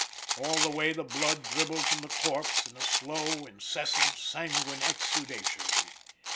All the way the blood dribbled from the corpse in a slow, incessant, sanguine exudation.